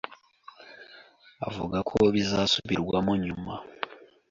avuga ko bizasubirwamo nyuma